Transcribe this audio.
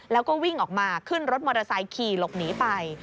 แล้วก็วิ่งออกมาขึ้นรถมอเตอร์ไซค์ขี่หลบหนีไป